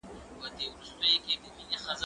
سینه سپين د کتابتوننۍ له خوا کيږي!.